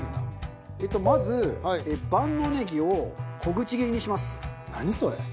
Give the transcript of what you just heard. まず万能ねぎを小口切りにします。